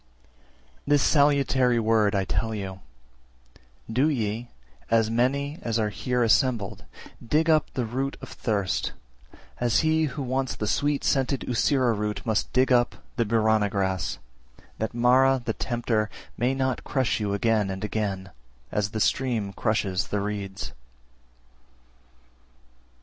337. This salutary word I tell you, `Do ye, as many as are here assembled, dig up the root of thirst, as he who wants the sweet scented Usira root must dig up the Birana grass, that Mara (the tempter) may not crush you again and again, as the stream crushes the reeds.'